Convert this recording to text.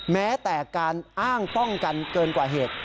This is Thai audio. แม้แต่การอ้างป้องกันเกินกว่าเหตุ